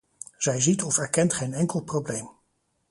Zij ziet of erkent geen enkel probleem.